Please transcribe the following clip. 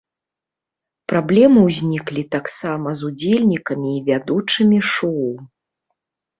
Праблемы ўзніклі таксама з удзельнікамі і вядучымі шоў.